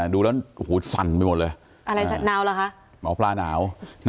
ดูแล้วหูสั่นไปหมดเลยหมอพลาหนาว